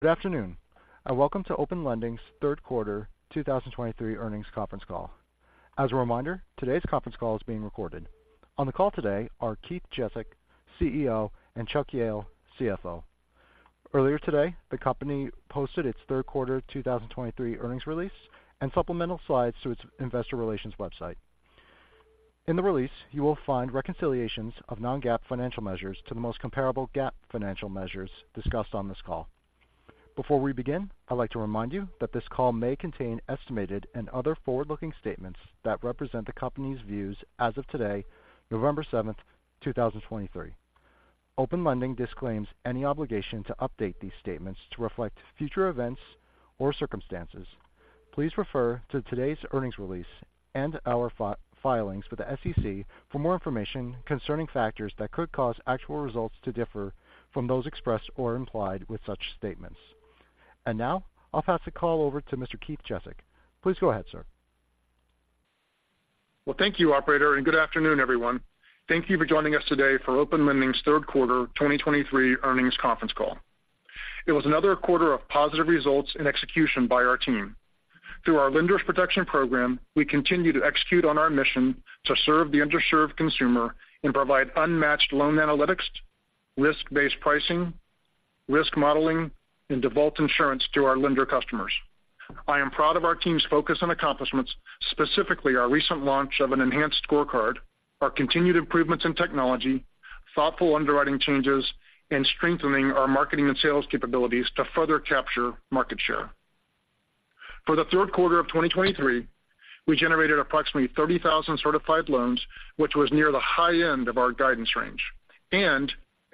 Good afternoon, and welcome to Open Lending's third quarter 2023 earnings conference call. As a reminder, today's conference call is being recorded. On the call today are Keith Jezek, CEO, and Chuck Jehl, CFO. Earlier today, the company posted its third quarter 2023 earnings release and supplemental slides to its investor relations website. In the release, you will find reconciliations of non-GAAP financial measures to the most comparable GAAP financial measures discussed on this call. Before we begin, I'd like to remind you that this call may contain estimated and other forward-looking statements that represent the company's views as of today, November 7th, 2023. Open Lending disclaims any obligation to update these statements to reflect future events or circumstances. Please refer to today's earnings release and our filings with the SEC for more information concerning factors that could cause actual results to differ from those expressed or implied with such statements. Now, I'll pass the call over to Mr. Keith Jezek. Please go ahead, sir. Well, thank you, operator, and good afternoon, everyone. Thank you for joining us today for Open Lending's third quarter 2023 earnings conference call. It was another quarter of positive results and execution by our team. Through our Lenders Protection program, we continue to execute on our mission to serve the underserved consumer and provide unmatched loan analytics, risk-based pricing, risk modeling, and default insurance to our lender customers. I am proud of our team's focus and accomplishments, specifically our recent launch of an enhanced scorecard, our continued improvements in technology, thoughtful underwriting changes, and strengthening our marketing and sales capabilities to further capture market share. For the third quarter of 2023, we generated approximately 30,000 Certified Loans, which was near the high end of our guidance range.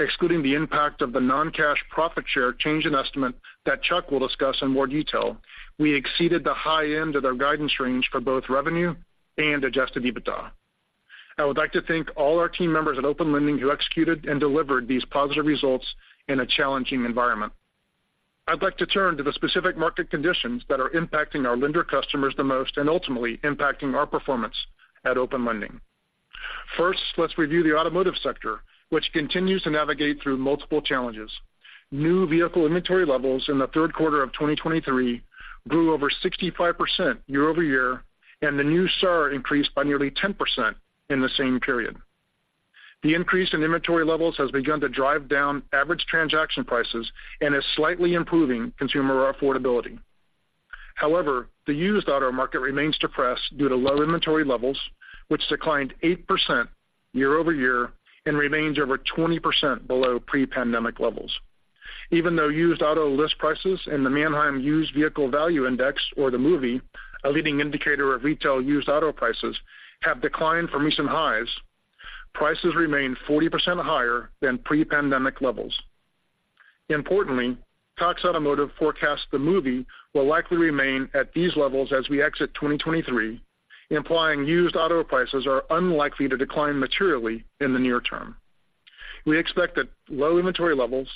Excluding the impact of the non-cash profit share change in estimate that Chuck will discuss in more detail, we exceeded the high end of their guidance range for both revenue and Adjusted EBITDA. I would like to thank all our team members at Open Lending who executed and delivered these positive results in a challenging environment. I'd like to turn to the specific market conditions that are impacting our lender customers the most and ultimately impacting our performance at Open Lending. First, let's review the automotive sector, which continues to navigate through multiple challenges. New vehicle inventory levels in the third quarter of 2023 grew over 65% year-over-year, and the new SAAR increased by nearly 10% in the same period. The increase in inventory levels has begun to drive down average transaction prices and is slightly improving consumer affordability. However, the used auto market remains depressed due to low inventory levels, which declined 8% year-over-year and remains over 20% below pre-pandemic levels. Even though used auto list prices in the Manheim Used Vehicle Value Index, or the MUVVI, a leading indicator of retail used auto prices, have declined from recent highs, prices remain 40% higher than pre-pandemic levels. Importantly, Cox Automotive forecasts the MUVVI will likely remain at these levels as we exit 2023, implying used auto prices are unlikely to decline materially in the near term. We expect that low inventory levels,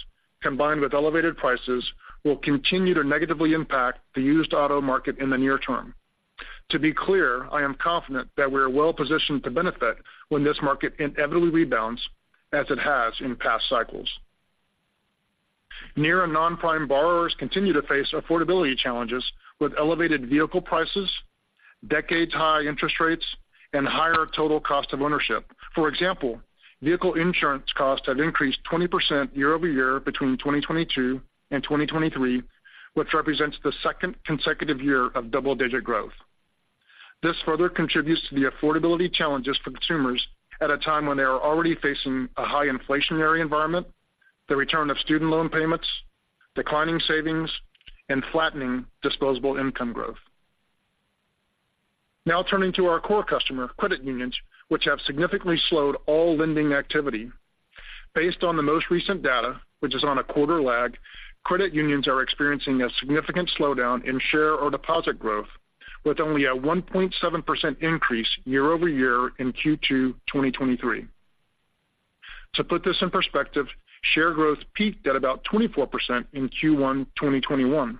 combined with elevated prices, will continue to negatively impact the used auto market in the near term. To be clear, I am confident that we are well positioned to benefit when this market inevitably rebounds, as it has in past cycles. Near and non-prime borrowers continue to face affordability challenges with elevated vehicle prices, decades-high interest rates, and higher total cost of ownership. For example, vehicle insurance costs have increased 20% year-over-year between 2022 and 2023, which represents the second consecutive year of double-digit growth. This further contributes to the affordability challenges for consumers at a time when they are already facing a high inflationary environment, the return of student loan payments, declining savings, and flattening disposable income growth. Now, turning to our core customer, credit unions, which have significantly slowed all lending activity. Based on the most recent data, which is on a quarter lag, credit unions are experiencing a significant slowdown in share or deposit growth, with only a 1.7% increase year-over-year in Q2 2023. To put this in perspective, share growth peaked at about 24% in Q1 2021.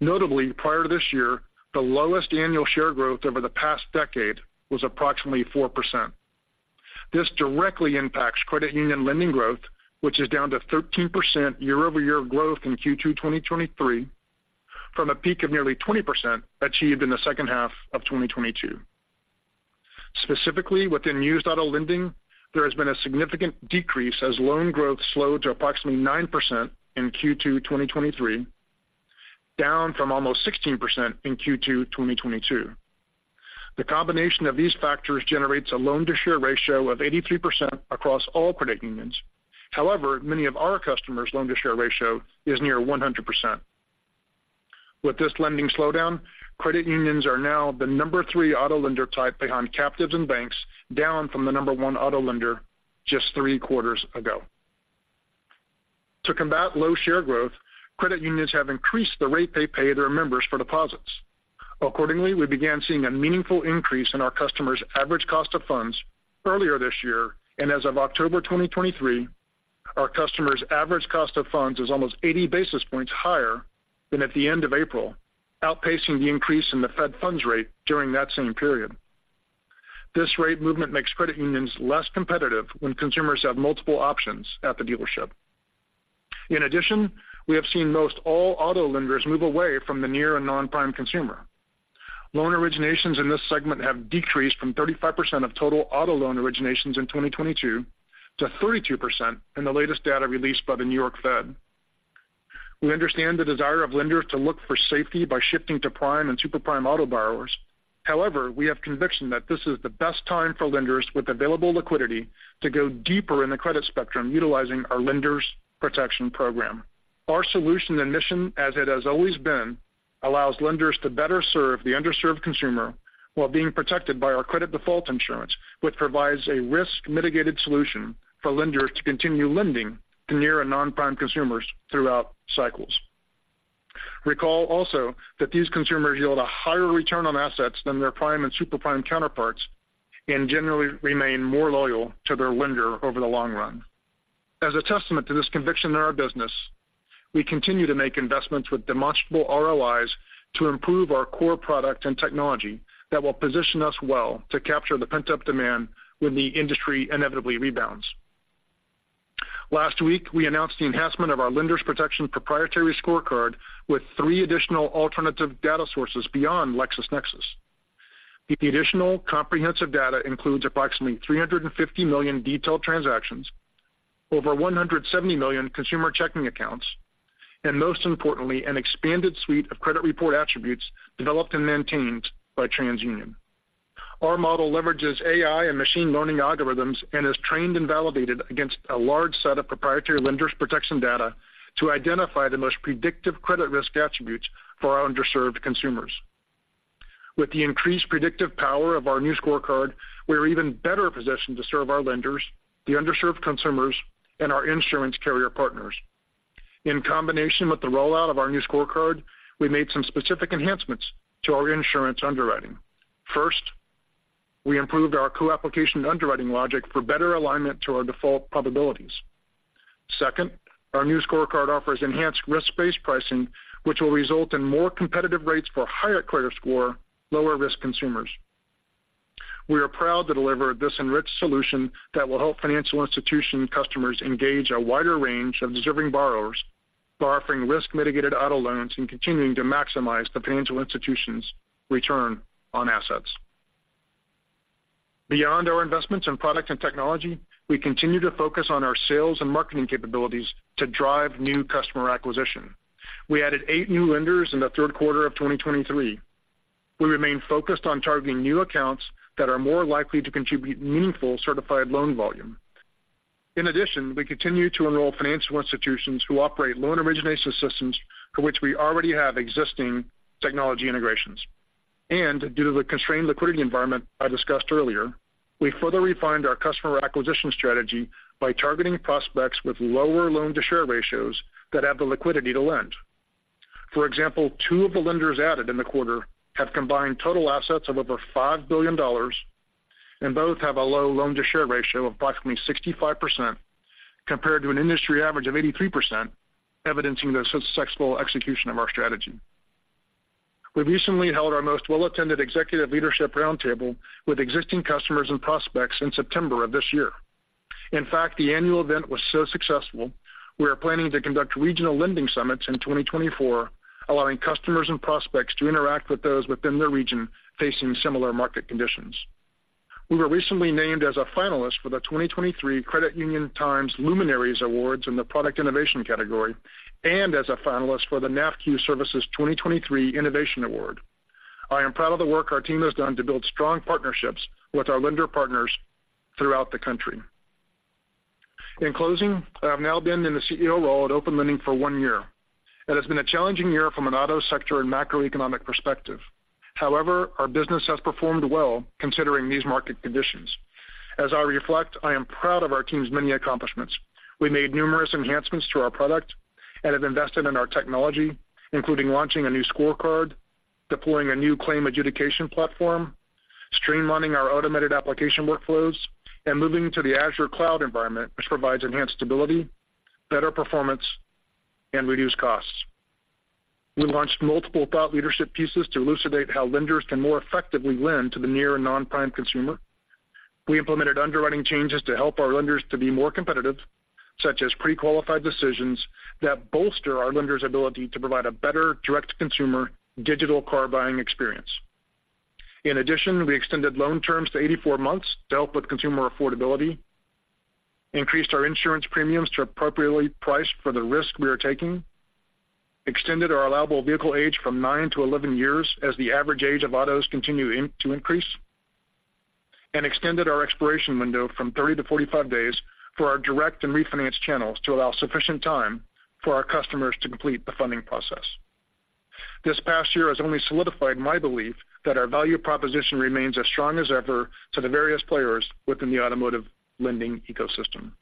Notably, prior to this year, the lowest annual share growth over the past decade was approximately 4%. This directly impacts credit union lending growth, which is down to 13% year-over-year growth in Q2 2023, from a peak of nearly 20% achieved in the second half of 2022. Specifically, within used auto lending, there has been a significant decrease as loan growth slowed to approximately 9% in Q2 2023, down from almost 16% in Q2 2022. The combination of these factors generates a loan-to-share ratio of 83% across all credit unions. However, many of our customers' loan-to-share ratio is near 100%. With this lending slowdown, credit unions are now the number three auto lender type behind captives and banks, down from the number one auto lender just three quarters ago. To combat low share growth, credit unions have increased the rate they pay their members for deposits. Accordingly, we began seeing a meaningful increase in our customers' average cost of funds earlier this year, and as of October 2023, our customers' average cost of funds is almost 80 basis points higher than at the end of April, outpacing the increase in the Fed funds rate during that same period. This rate movement makes credit unions less competitive when consumers have multiple options at the dealership. In addition, we have seen most all auto lenders move away from the near- and non-prime consumer. Loan originations in this segment have decreased from 35% of total auto loan originations in 2022 to 32% in the latest data released by the New York Fed. We understand the desire of lenders to look for safety by shifting to prime and super prime auto borrowers. However, we have conviction that this is the best time for lenders with available liquidity to go deeper in the credit spectrum, utilizing our Lenders Protection Program. Our solution and mission, as it has always been, allows lenders to better serve the underserved consumer while being protected by our credit default insurance, which provides a risk-mitigated solution for lenders to continue lending to near and non-prime consumers throughout cycles. Recall also that these consumers yield a higher return on assets than their prime and super prime counterparts and generally remain more loyal to their lender over the long run. As a testament to this conviction in our business, we continue to make investments with demonstrable ROIs to improve our core product and technology that will position us well to capture the pent-up demand when the industry inevitably rebounds. Last week, we announced the enhancement of our Lenders Protection proprietary scorecard with three additional alternative data sources beyond LexisNexis. The additional comprehensive data includes approximately 350 million detailed transactions, over 170 million consumer checking accounts, and most importantly, an expanded suite of credit report attributes developed and maintained by TransUnion. Our model leverages AI and machine learning algorithms and is trained and validated against a large set of proprietary Lenders Protection data to identify the most predictive credit risk attributes for our underserved consumers. With the increased predictive power of our new scorecard, we are even better positioned to serve our lenders, the underserved consumers, and our insurance carrier partners. In combination with the rollout of our new scorecard, we made some specific enhancements to our insurance underwriting. First, we improved our co-application underwriting logic for better alignment to our default probabilities. Second, our new scorecard offers enhanced risk-based pricing, which will result in more competitive rates for higher credit score, lower-risk consumers. We are proud to deliver this enriched solution that will help financial institution customers engage a wider range of deserving borrowers by offering risk-mitigated auto loans and continuing to maximize the financial institution's return on assets. Beyond our investments in product and technology, we continue to focus on our sales and marketing capabilities to drive new customer acquisition. We added eight new lenders in the third quarter of 2023. We remain focused on targeting new accounts that are more likely to contribute meaningful Certified Loan volume. In addition, we continue to enroll financial institutions who operate loan origination systems for which we already have existing technology integrations. Due to the constrained liquidity environment I discussed earlier, we further refined our customer acquisition strategy by targeting prospects with lower loan-to-share ratios that have the liquidity to lend. For example, two of the lenders added in the quarter have combined total assets of over $5 billion, and both have a low loan-to-share ratio of approximately 65%, compared to an industry average of 83%, evidencing the successful execution of our strategy. We recently held our most well-attended executive leadership roundtable with existing customers and prospects in September of this year. In fact, the annual event was so successful, we are planning to conduct regional lending summits in 2024, allowing customers and prospects to interact with those within their region facing similar market conditions. We were recently named as a finalist for the 2023 Credit Union Times Luminaries Awards in the Product Innovation category and as a finalist for the NAFCU Services 2023 Innovation Award. I am proud of the work our team has done to build strong partnerships with our lender partners throughout the country. In closing, I have now been in the CEO role at Open Lending for one year. It has been a challenging year from an auto sector and macroeconomic perspective. However, our business has performed well considering these market conditions. As I reflect, I am proud of our team's many accomplishments. We made numerous enhancements to our product and have invested in our technology, including launching a new scorecard, deploying a new claim adjudication platform, streamlining our automated application workflows, and moving to the Azure cloud environment, which provides enhanced stability, better performance, and reduced costs. We launched multiple thought leadership pieces to elucidate how lenders can more effectively lend to the near and non-prime consumer. We implemented underwriting changes to help our lenders to be more competitive, such as pre-qualified decisions that bolster our lenders' ability to provide a better direct-to-consumer digital car buying experience. In addition, we extended loan terms to 84 months to help with consumer affordability, increased our insurance premiums to appropriately price for the risk we are taking, extended our allowable vehicle age from nine to 11 years as the average age of autos continue to increase, and extended our expiration window from 30 days to 45 days for our direct and refinance channels to allow sufficient time for our customers to complete the funding process. This past year has only solidified my belief that our value proposition remains as strong as ever to the various players within the automotive lending ecosystem.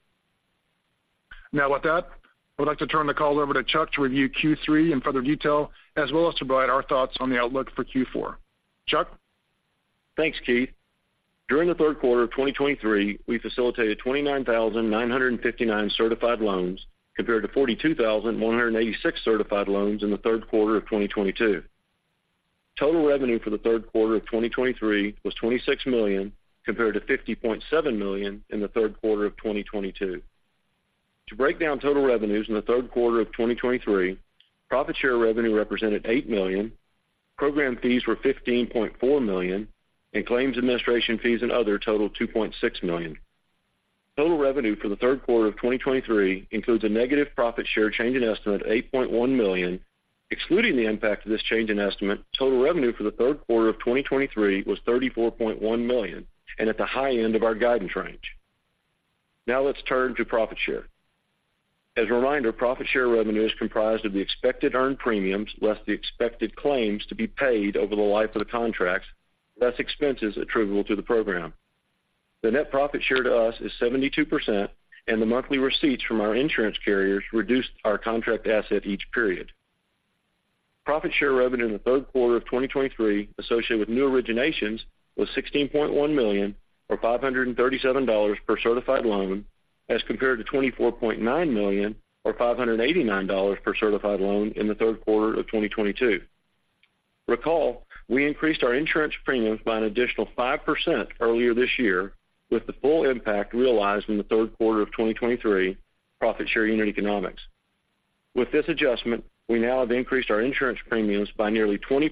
Now, with that, I'd like to turn the call over to Chuck to review Q3 in further detail, as well as to provide our thoughts on the outlook for Q4. Chuck? Thanks, Keith. During the third quarter of 2023, we facilitated 29,959 Certified Loans, compared to 42,186 Certified Loans in the third quarter of 2022. Total revenue for the third quarter of 2023 was $26 million, compared to $50.7 million in the third quarter of 2022. To break down total revenues in the third quarter of 2023, profit share revenue represented $8 million, program fees were $15.4 million, and claims administration fees and other totaled $2.6 million. Total revenue for the third quarter of 2023 includes a negative profit share change in estimate of $8.1 million. Excluding the impact of this change in estimate, total revenue for the third quarter of 2023 was $34.1 million, and at the high end of our guidance range. Now let's turn to profit share. As a reminder, profit share revenue is comprised of the expected earned premiums less the expected claims to be paid over the life of the contracts, less expenses attributable to the program. The net profit share to us is 72%, and the monthly receipts from our insurance carriers reduced our contract asset each period. profit share revenue in the third quarter of 2023, associated with new originations, was $16.1 million, or $537 per Certified Loan, as compared to $24.9 million, or $589 per Certified Loan in the third quarter of 2022. Recall, we increased our insurance premiums by an additional 5% earlier this year, with the full impact realized in the third quarter of 2023 profit share unit economics. With this adjustment, we now have increased our insurance premiums by nearly 20%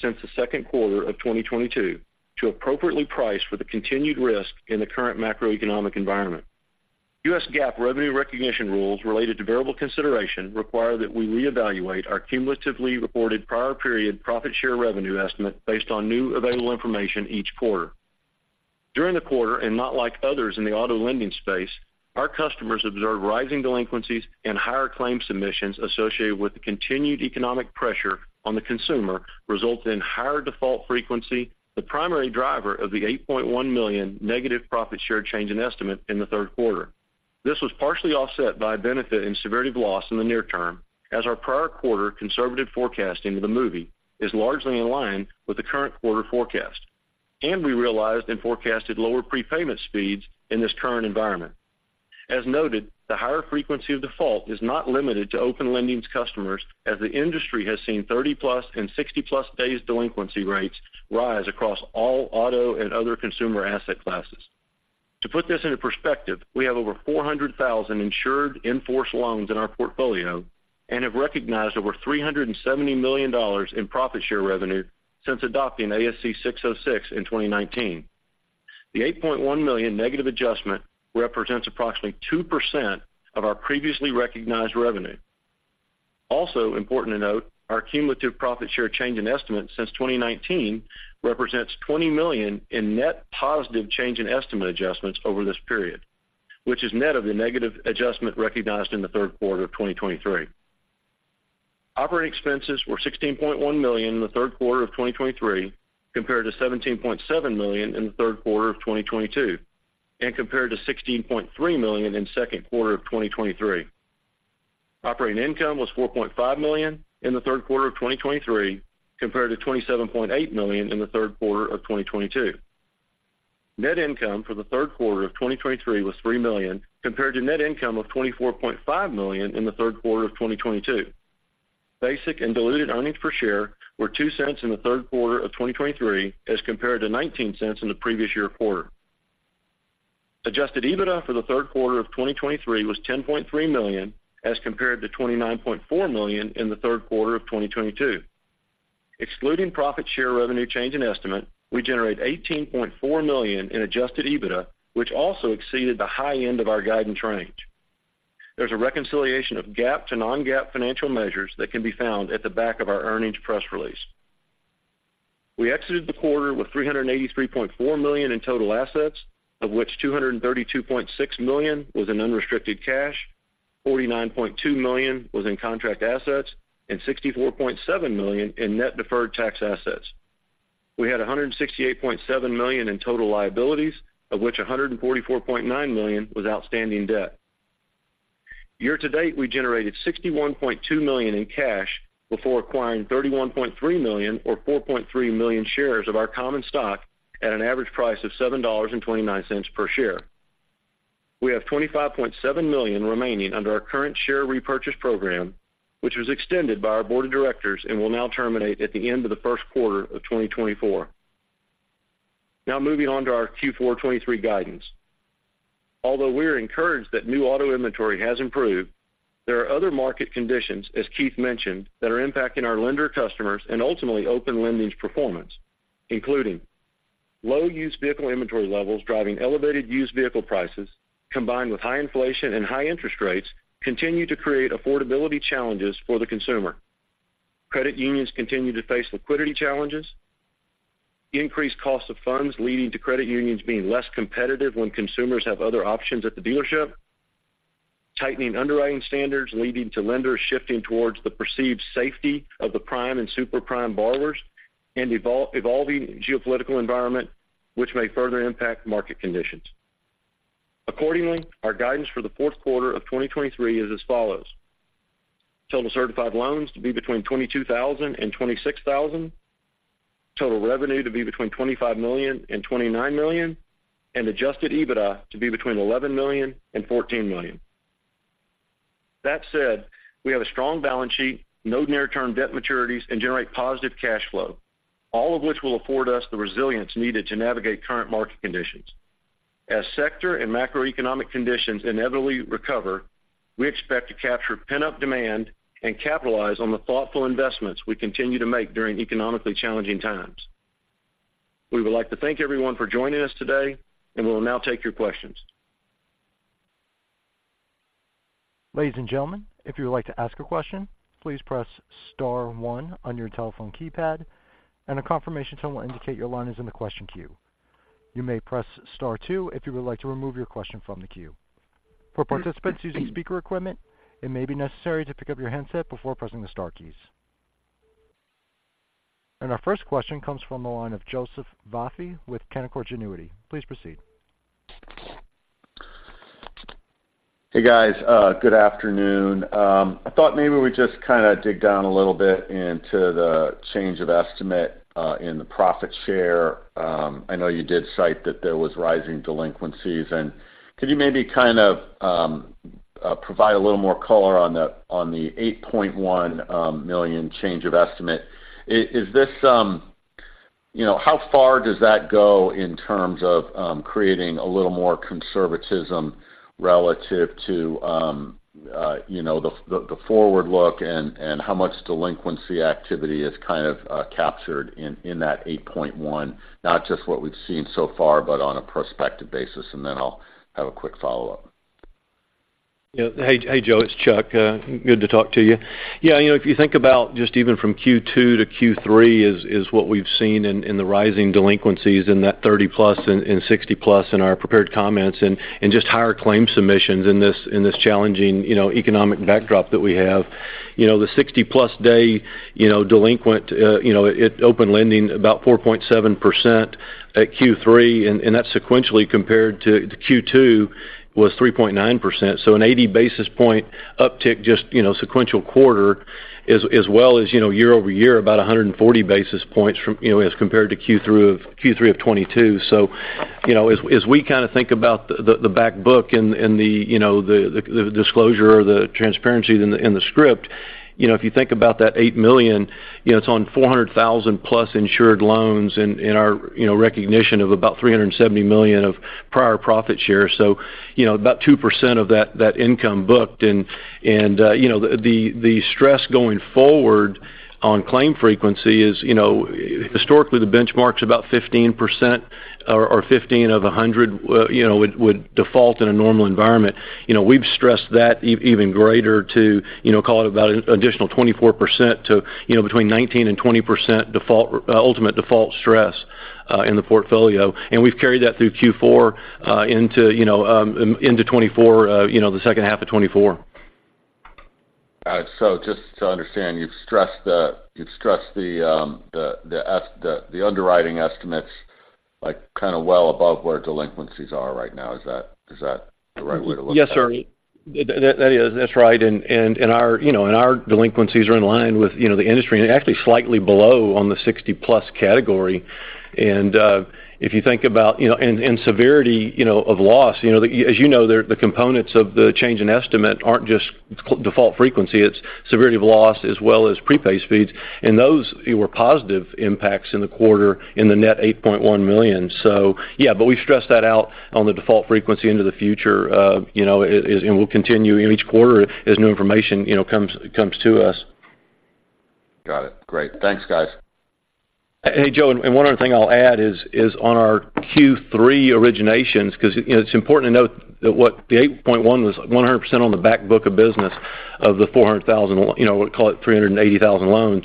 since the second quarter of 2022 to appropriately price for the continued risk in the current macroeconomic environment. U.S. GAAP revenue recognition rules related to variable consideration require that we reevaluate our cumulatively reported prior period profit share revenue estimate based on new available information each quarter. During the quarter, and not like others in the auto lending space, our customers observed rising delinquencies and higher claim submissions associated with the continued economic pressure on the consumer, resulting in higher default frequency, the primary driver of the -$8.1 million profit share change in estimate in the third quarter. This was partially offset by a benefit in severity of loss in the near term, as our prior quarter conservative forecasting of the model is largely in line with the current quarter forecast, and we realized and forecasted lower prepayment speeds in this current environment. As noted, the higher frequency of default is not limited to Open Lending's customers, as the industry has seen 30+ and 60+ days delinquency rates rise across all auto and other consumer asset classes. To put this into perspective, we have over 400,000 insured in-force loans in our portfolio and have recognized over $370 million in profit share revenue since adopting ASC 606 in 2019. The $8.1 million negative adjustment represents approximately 2% of our previously recognized revenue. Also important to note, our cumulative profit share change in estimate since 2019 represents $20 million in net positive change in estimate adjustments over this period, which is net of the negative adjustment recognized in the third quarter of 2023. Operating expenses were $16.1 million in the third quarter of 2023, compared to $17.7 million in the third quarter of 2022, and compared to $16.3 million in the second quarter of 2023. Operating income was $4.5 million in the third quarter of 2023, compared to $27.8 million in the third quarter of 2022. Net income for the third quarter of 2023 was $3 million, compared to net income of $24.5 million in the third quarter of 2022. Basic and diluted earnings per share were $0.02 in the third quarter of 2023, as compared to $0.19 in the previous year quarter. Adjusted EBITDA for the third quarter of 2023 was $10.3 million, as compared to $29.4 million in the third quarter of 2022. Excluding profit share revenue change in estimate, we generated $18.4 million in Adjusted EBITDA, which also exceeded the high end of our guidance range. There's a reconciliation of GAAP to non-GAAP financial measures that can be found at the back of our earnings press release. We exited the quarter with $383.4 million in total assets, of which $232.6 million was in unrestricted cash, $49.2 million was in contract assets, and $64.7 million in net deferred tax assets. We had $168.7 million in total liabilities, of which $144.9 million was outstanding debt. Year-to-date, we generated $61.2 million in cash before acquiring $31.3 million, or 4.3 million shares of our common stock at an average price of $7.29 per share. We have $25.7 million remaining under our current share repurchase program, which was extended by our Board of Directors and will now terminate at the end of the first quarter of 2024. Now moving on to our Q4 2023 guidance. Although we are encouraged that new auto inventory has improved, there are other market conditions, as Keith mentioned, that are impacting our lender customers and ultimately Open Lending's performance, including low used vehicle inventory levels, driving elevated used vehicle prices, combined with high inflation and high interest rates, continue to create affordability challenges for the consumer. Credit unions continue to face liquidity challenges, increased cost of funds, leading to credit unions being less competitive when consumers have other options at the dealership, tightening underwriting standards, leading to lenders shifting towards the perceived safety of the prime and super prime borrowers, and evolving geopolitical environment, which may further impact market conditions. Accordingly, our guidance for the fourth quarter of 2023 is as follows: total Certified Loans to be between 22,000 and 26,000, total revenue to be between $25 million and $29 million, and Adjusted EBITDA to be between $11 million and $14 million. That said, we have a strong balance sheet, no near-term debt maturities, and generate positive cash flow, all of which will afford us the resilience needed to navigate current market conditions. As sector and macroeconomic conditions inevitably recover, we expect to capture pent-up demand and capitalize on the thoughtful investments we continue to make during economically challenging times. We would like to thank everyone for joining us today, and we'll now take your questions. Ladies and gentlemen, if you would like to ask a question, please press star one on your telephone keypad, and a confirmation tone will indicate your line is in the question queue. You may press star two if you would like to remove your question from the queue. For participants using speaker equipment, it may be necessary to pick up your handset before pressing the star keys. Our first question comes from the line of Joseph Vafi with Canaccord Genuity. Please proceed. Hey, guys, good afternoon. I thought maybe we just kind of dig down a little bit into the change of estimate in the profit share. I know you did cite that there was rising delinquencies. Could you maybe kind of provide a little more color on the $8.1 million change of estimate? Is this, you know, how far does that go in terms of creating a little more conservatism relative to you know, the forward look, and how much delinquency activity is kind of captured in that $8.1 million, not just what we've seen so far, but on a prospective basis? Then I'll have a quick follow-up. Yeah. Hey, Joe, it's Chuck. Good to talk to you. Yeah, you know, if you think about just even from Q2 to Q3, is what we've seen in the rising delinquencies in that 30+ and 60+ in our prepared comments, and just higher claim submissions in this challenging, you know, economic backdrop that we have. You know, the 60+-day, you know, delinquent, you know, at Open Lending about 4.7% at Q3, and that sequentially compared to Q2, was 3.9%. So an 80 basis point uptick, just, you know, sequential quarter as well as, you know, year-over-year, about 140 basis points from, you know, as compared to Q3 of 2022. So, you know, as we kind of think about the back book and the disclosure or the transparency in the script, you know, if you think about that $8 million, you know, it's on 400,000+ insured loans and our recognition of about $370 million of prior profit share. So, you know, about 2% of that income booked. And, you know, the stress going forward on claim frequency is, you know, historically, the benchmark's about 15% or 15 of a hundred would default in a normal environment. You know, we've stressed that even greater to, you know, call it about an additional 24% to, you know, between 19% and 20% default, ultimate default stress in the portfolio. We've carried that through Q4, you know, into 2024, you know, the second half of 2024. So just to understand, you've stressed the, you've stressed the, the underwriting estimates, like, kind of well above where delinquencies are right now. Is that the right way to look at it? Yes, sir. That is. That's right. And our, you know, and our delinquencies are in line with, you know, the industry, and actually slightly below on the 60+ category. And, if you think about, you know, and severity, you know, of loss, you know, as you know, the, the components of the change in estimate aren't just default frequency, it's severity of loss as well as prepay speeds. And those were positive impacts in the quarter in the net $8.1 million. So yeah, but we've stressed that out on the default frequency into the future, you know, and we'll continue in each quarter as new information, you know, comes to us. Got it. Great. Thanks, guys. Hey, Joe, and one other thing I'll add is, is on our Q3 originations, because, you know, it's important to note that what the $8.1 million was 100% on the back book of business of the 400,000, you know, we call it 380,000 loans,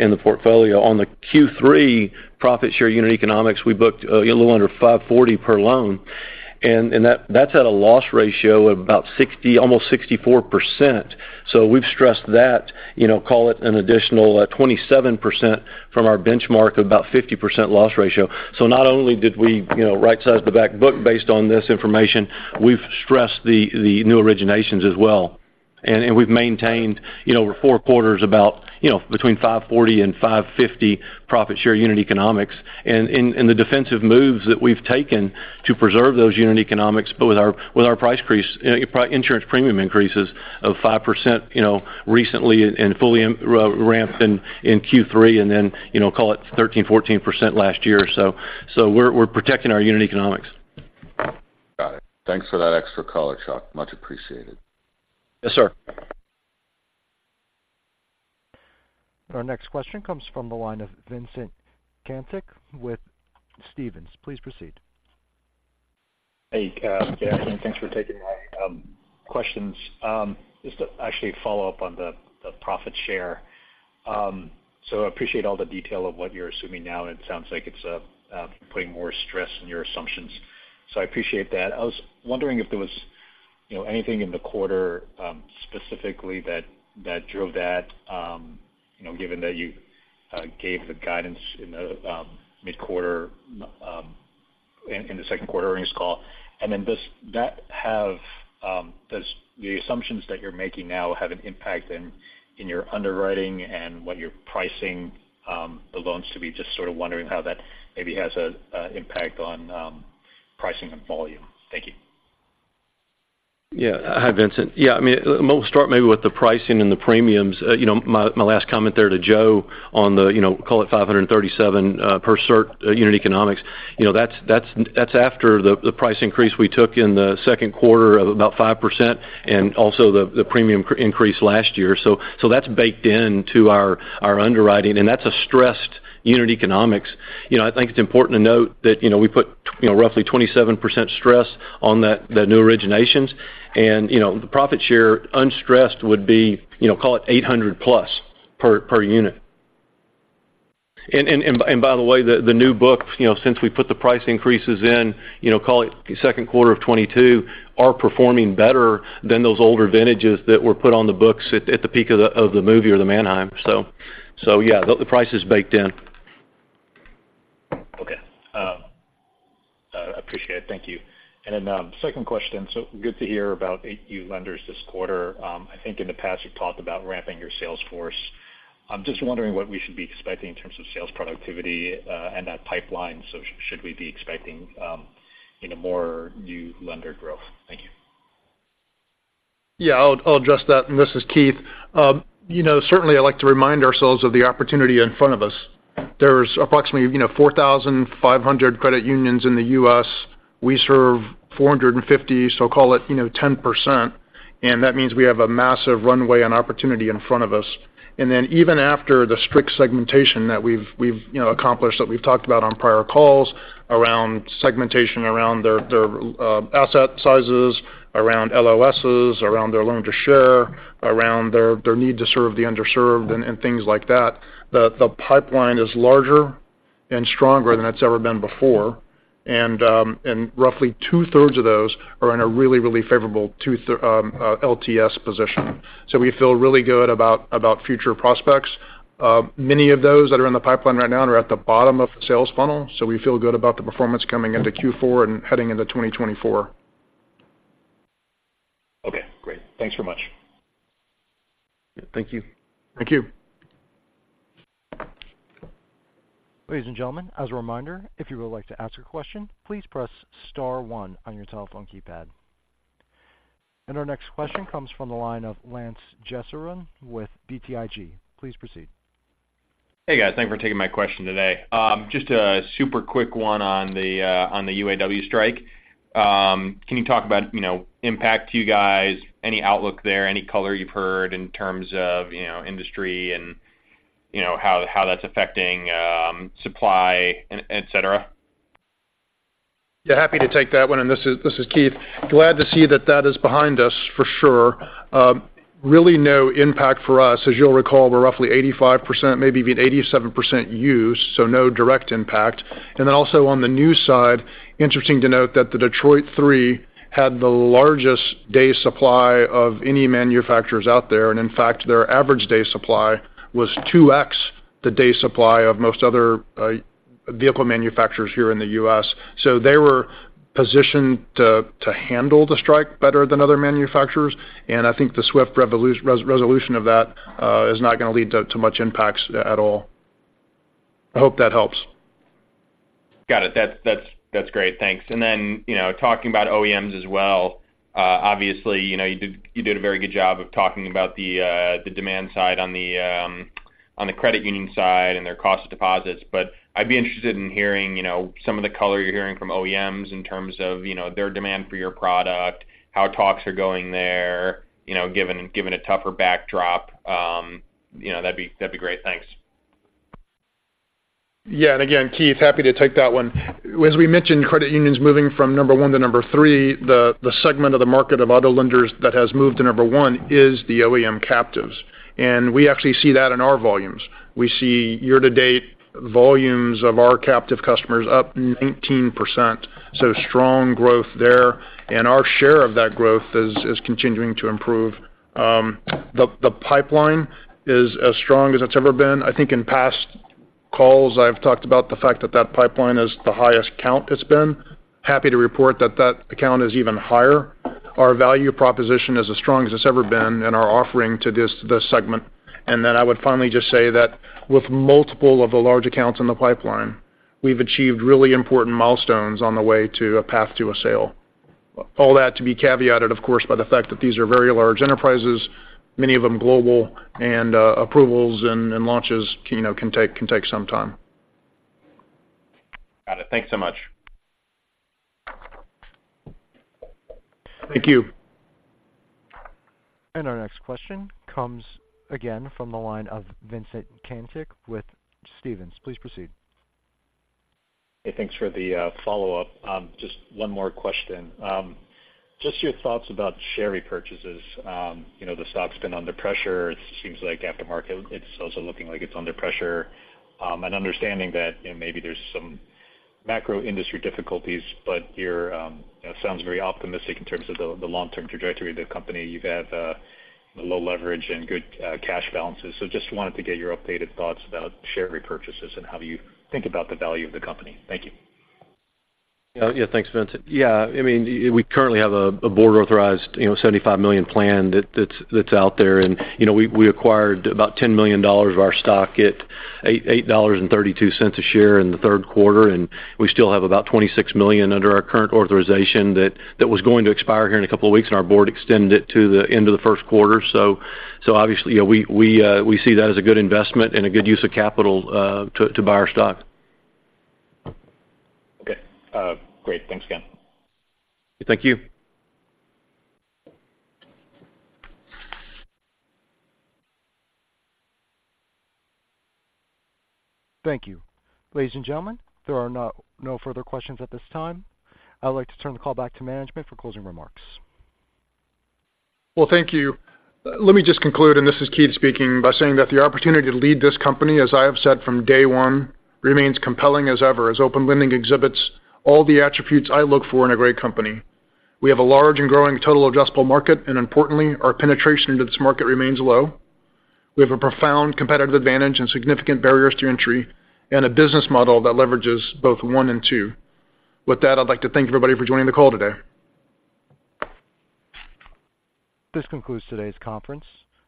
in the portfolio. On the Q3 profit share unit economics, we booked, a little under $540 per loan, and, and that's at a loss ratio of about 60%, almost 64%. So we've stressed that, you know, call it an additional, 27% from our benchmark of about 50% loss ratio. So not only did we, you know, rightsize the back book based on this information, we've stressed the, the new originations as well. And we've maintained, you know, over four quarters about, you know, between $540 and $550 profit share unit economics, and the defensive moves that we've taken to preserve those unit economics, but with our price increase, insurance premium increases of 5%, you know, recently and fully ramped in Q3, and then, you know, call it 13%-14% last year. So we're protecting our unit economics. Got it. Thanks for that extra color, Chuck. Much appreciated. Yes, sir. Our next question comes from the line of Vincent Caintic with Stephens. Please proceed. Hey, yeah, thanks for taking my questions. Just to actually follow up on the profit share. So I appreciate all the detail of what you're assuming now, and it sounds like it's putting more stress in your assumptions, so I appreciate that. I was wondering if there was, you know, anything in the quarter specifically that drove that, you know, given that you gave the guidance in the mid-quarter in the second quarter earnings call? And then does that have, does the assumptions that you're making now have an impact in your underwriting and what you're pricing the loans to be? Just sort of wondering how that maybe has a impact on pricing and volume? Thank you. Yeah. Hi, Vincent. Yeah, I mean, we'll start maybe with the pricing and the premiums. You know my last comment there to Joe on the, you know, call it $537 per cert unit economics. You know, that's, that's, that's after the, the price increase we took in the second quarter of about 5% and also the, the premium increase last year. So, so that's baked into our, our underwriting, and that's a stressed unit economics. You know, I think it's important to note that, you know, we put, you know, roughly 27% stress on that, the new originations. And, you know, the Profit share, unstressed, would be, you know, call it $800+ per unit. By the way, the new book, you know, since we put the price increases in, you know, call it second quarter of 2022, are performing better than those older vintages that were put on the books at the peak of the Manheim. So yeah, the price is baked in. Okay. I appreciate it. Thank you. And then, second question. So good to hear about auto lenders this quarter. I think in the past, you've talked about ramping your sales force. I'm just wondering what we should be expecting in terms of sales productivity and that pipeline. So should we be expecting, you know, more new lender growth? Thank you. Yeah, I'll address that. This is Keith. You know, certainly, I'd like to remind ourselves of the opportunity in front of us. There's approximately, you know, 4,500 credit unions in the U.S. We serve 450, so call it, you know, 10%, and that means we have a massive runway and opportunity in front of us. And then, even after the strict segmentation that we've accomplished, that we've talked about on prior calls, around segmentation, around their asset sizes, around LOSs, around their loan-to-share, around their need to serve the underserved and things like that, the pipeline is larger and stronger than it's ever been before. And roughly two-thirds of those are in a really favorable LTS position. So we feel really good about future prospects. Many of those that are in the pipeline right now are at the bottom of the sales funnel, so we feel good about the performance coming into Q4 and heading into 2024. Okay, great. Thanks so much. Thank you. Thank you. Ladies and gentlemen, as a reminder, if you would like to ask a question, please press star one on your telephone keypad. Our next question comes from the line of Lance Jessurun with BTIG. Please proceed. Hey, guys. Thank you for taking my question today. Just a super quick one on the UAW strike. Can you talk about, you know, impact to you guys, any outlook there, any color you've heard in terms of, you know, industry and, you know, how that's affecting supply, etc.? Yeah, happy to take that one. And this is Keith. Glad to see that is behind us for sure. Really no impact for us. As you'll recall, we're roughly 85%, maybe even 87% used, so no direct impact. And then also on the news side, interesting to note that the Detroit Three had the largest day supply of any manufacturers out there. And in fact, their average day supply was 2x the day supply of most other vehicle manufacturers here in the U.S. So they were positioned to handle the strike better than other manufacturers, and I think the swift resolution of that is not gonna lead to much impacts at all. I hope that helps. Got it. That's great. Thanks. And then, you know, talking about OEMs as well, obviously, you know, you did a very good job of talking about the demand side on the credit union side and their cost of deposits. But I'd be interested in hearing, you know, some of the color you're hearing from OEMs in terms of, you know, their demand for your product, how talks are going there, you know, given a tougher backdrop. You know, that'd be great. Thanks. Yeah, and again, Keith, happy to take that one. As we mentioned, credit unions moving from number one to number three, the segment of the market of other lenders that has moved to number 1 is the OEM captives, and we actually see that in our volumes. We see year-to-date volumes of our captive customers up 19%, so strong growth there, and our share of that growth is continuing to improve. The pipeline is as strong as it's ever been. I think in past calls, I've talked about the fact that that pipeline is the highest count it's been. Happy to report that that account is even higher. Our value proposition is as strong as it's ever been and our offering to this segment. And then I would finally just say that with multiple of the large accounts in the pipeline, we've achieved really important milestones on the way to a path to a sale. All that to be caveated, of course, by the fact that these are very large enterprises, many of them global, and approvals and launches can, you know, take some time. Got it. Thanks so much. Thank you. Our next question comes again from the line of Vincent Caintic with Stephens. Please proceed. Hey, thanks for the, follow-up. Just one more question. Just your thoughts about share repurchases. You know, the stock's been under pressure. It seems like after market, it's also looking like it's under pressure. And understanding that, you know, maybe there's some macro industry difficulties, but you're, sounds very optimistic in terms of the long-term trajectory of the company. You've had, low leverage and good, cash balances. So just wanted to get your updated thoughts about share repurchases and how you think about the value of the company. Thank you. Yeah, thanks, Vincent. Yeah, I mean, we currently have a Board-authorized, you know, $75 million plan that's out there. And, you know, we acquired about $10 million of our stock at $8.32 a share in the third quarter, and we still have about $26 million under our current authorization that was going to expire here in a couple of weeks, and our Board extended it to the end of the first quarter. So obviously, you know, we see that as a good investment and a good use of capital to buy our stock. Okay. Great. Thanks again. Thank you. Thank you. Ladies and gentlemen, there are no further questions at this time. I would like to turn the call back to management for closing remarks. Well, thank you. Let me just conclude, and this is Keith speaking, by saying that the opportunity to lead this company, as I have said from day one, remains compelling as ever, as Open Lending exhibits all the attributes I look for in a great company. We have a large and growing total adjustable market, and importantly, our penetration into this market remains low. We have a profound competitive advantage and significant barriers to entry, and a business model that leverages both one and two. With that, I'd like to thank everybody for joining the call today. This concludes today's conference.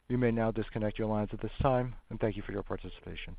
You may now disconnect your lines at this time, and thank you for your participation.